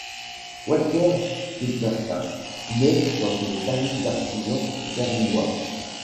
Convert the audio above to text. Walther Dobbertin naît dans une famille d'artisans berlinois.